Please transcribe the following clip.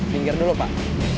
binggar dulu pak